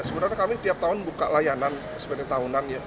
sebenarnya kami tiap tahun buka layanan